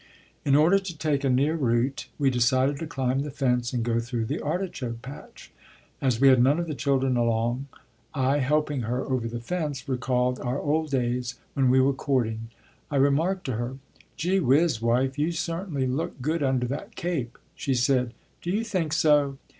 In order to take a near route we decided to climb the fence and go through the artichoke patch. As we had none of the children along I, helping her over the fence, recalled our old days when we were courting. I remarked to her: "Gee whiz, wife, you certainly look good under that cape!" She said, "Do you think so?"